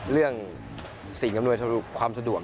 เรื่องสิ่งกำหนดความสะดวก